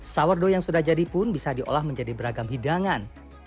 sawerdo yang sudah jadi pun bisa diolah menjadi beragam hidangan